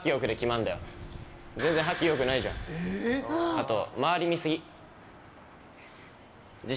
あと。